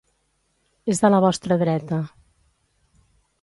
És de la vostra dreta.